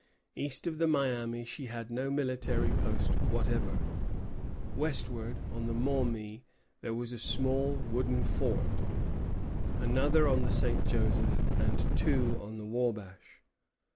East of the Miami she had no military post whatever. Westward, on the Maumee, there was a small wooden fort, another on the St. Joseph, and two on the Wabash.